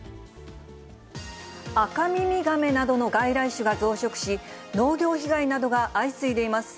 アカミミガメなどの外来種が増殖し、農業被害などが相次いでいます。